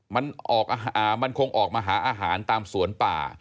มันออกมันคงออกมาหาอาหารตามสวนป่า